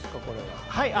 これは。